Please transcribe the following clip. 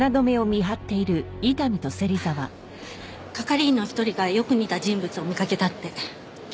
係員の一人がよく似た人物を見かけたって。